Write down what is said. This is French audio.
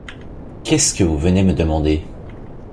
Qu’est-ce que vous venez me demander?